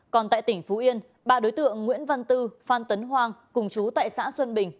còn tại tỉnh phú yên ba đối tượng nguyễn văn tư phan tấn hoang cùng chú tại xã xuân bình